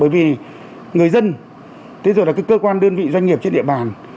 và các cơ quan đơn vị doanh nghiệp trên địa bàn